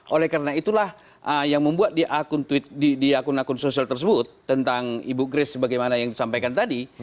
oleh karena itulah yang membuat di akun akun sosial tersebut tentang ibu grace bagaimana yang disampaikan tadi